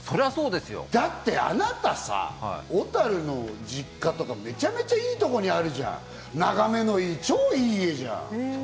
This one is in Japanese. だって、あなた、小樽の実家、めちゃめちゃいい所にあるじゃない、眺めの良い、超いい家じゃん。